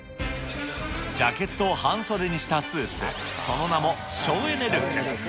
ジャケットを半袖にしたスーツ、その名も省エネルック。